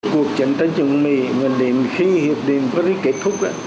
cuộc trận trận trận mì nguyên điểm khi hiệp điểm có đi kết thúc